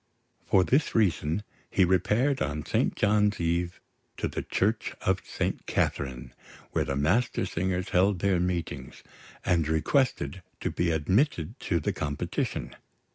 For this reason, he repaired on St. John's Eve to the Church of St. Katherine, where the Mastersingers held their meetings, and requested to be admitted to the competition.